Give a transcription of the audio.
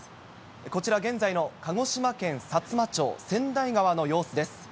こちら、現在の鹿児島県さつま町、川内川の様子です。